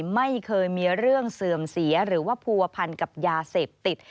ไม่เคยมีเรื่องเสื่อมเสียหรือว่าผัวพันกับยาเสพติด